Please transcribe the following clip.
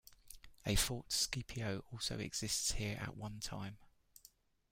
A Fort Scipio also existed here at one time.